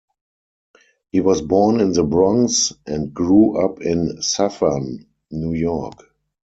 He was born in the Bronx, and grew up in Suffern, New York.